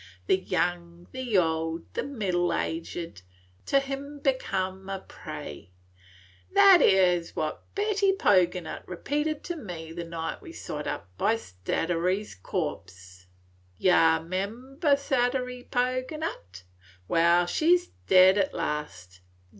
The young, the old, the middle aged, To him become a prey.' That 'ere is what Betty Poganut repeated to me the night we sot up by Statiry's corpse. Yeh 'member Statiry Poganut? Well, she 's dead at last.